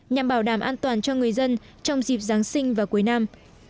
nhằm bảo đảm an toàn cho người dân trong dịp giáng sinh và cuối năm